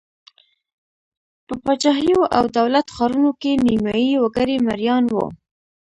په پاچاهیو او دولت ښارونو کې نیمايي وګړي مریان وو.